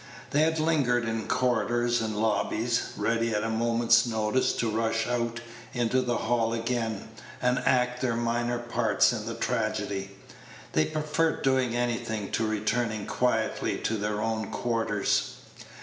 They had lingered in corridors and lobbies, ready at a moment's notice to rush out into the hall again, and act their minor parts in the tragedy. They preferred doing anything to returning quietly to their own quarters.